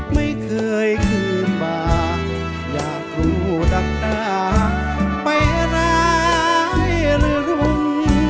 ไม่เคยคืนมาอยากรู้ดักหน้าไปร้ายหรือรุม